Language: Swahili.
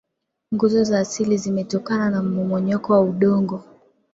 nguzo za asili zimetokana na mmomonyoko wa udongo